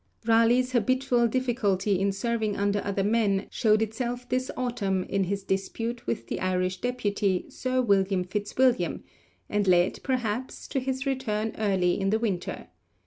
Raleigh's habitual difficulty in serving under other men showed itself this autumn in his dispute with the Irish Deputy, Sir William Fitzwilliam, and led, perhaps, to his return early in the winter.